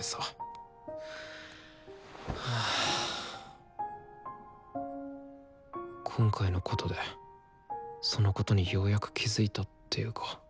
今回のことでそのことにようやく気付いたっていうか。